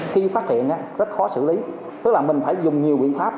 khi phát hiện rất khó xử lý tức là mình phải dùng nhiều biện pháp